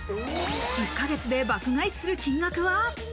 １か月で爆買いする金額は。